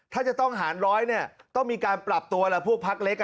ถ้าจะต้องหาร๑๐๐ต้องมีการปรับตัวเพื่อพวกพักเล็ก